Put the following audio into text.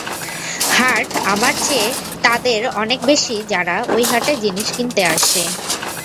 হাট আমার চেয়ে তাদের অনেক বেশি যারা ঐ হাটে জিনিস কিনতে আসে।